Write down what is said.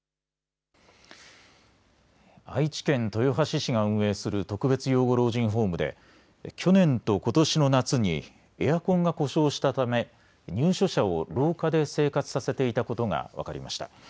愛知県豊橋市が運営する特別養護老人ホームで去年とことしの夏にエアコンが故障したため、入所者を廊下で生活させていたことが分かりました。